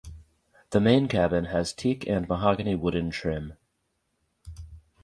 The main cabin has teak and mahogany wooden trim.